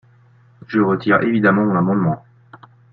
Je retire évidemment mon amendement.